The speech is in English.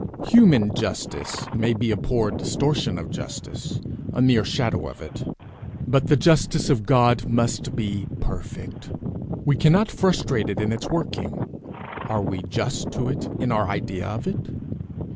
Human justice may be a poor distortion of justice, a mere shadow of it; but the justice of God must be perfect. We cannot frustrate it in its working; are we just to it in our idea of it?